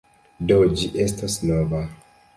Do, ĝi estos nova.